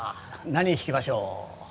何弾きましょう？